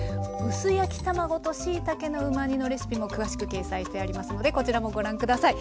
薄焼き卵としいたけのうま煮のレシピも詳しく掲載してありますのでこちらもご覧下さい。